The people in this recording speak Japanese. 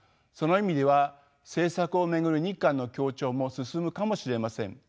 その意味では政策を巡る日韓の協調も進むかもしれません。